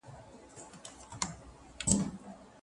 ځيني له څاه څخه د پاچا کور ته ولاړل.